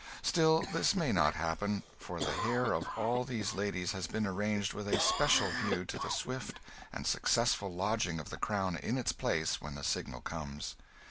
Still, this may not happen, for the hair of all these ladies has been arranged with a special view to the swift and successful lodging of the crown in its place when the signal comes.